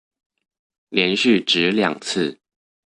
連續擲兩次